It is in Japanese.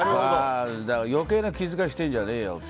余計な気遣いしてんじゃねえよって。